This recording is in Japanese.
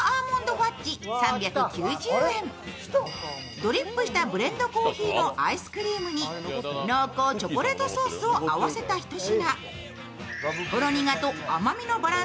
ドリップしたブレンドコーヒーのアイスクリームに濃厚チョコレートソースを合わせたひと品。